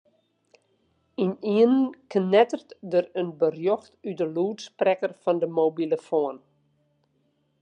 Ynienen knetteret der in berjocht út de lûdsprekker fan de mobilofoan.